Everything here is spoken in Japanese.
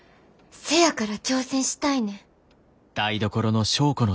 せやから挑戦したいねん。